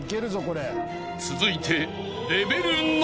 ［続いて］